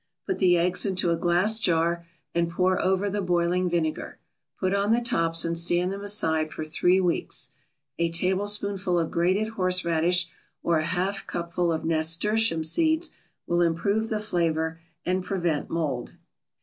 Put the eggs into a glass jar and pour over the boiling vinegar; put on the tops and stand them aside for three weeks. A tablespoonful of grated horseradish or a half cupful of nasturtium seeds will improve the flavor and prevent mold.